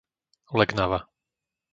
Legnava